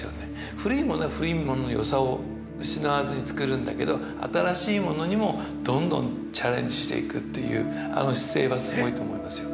古いものは古いもののよさを失わずに作るんだけど、新しいものにもどんどんチャレンジしていくというあの姿勢がすごいと思いますよ。